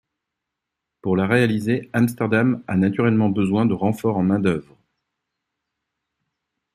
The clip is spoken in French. Pour la réaliser, Amsterdam a naturellement besoin de renforts en main-d'œuvre.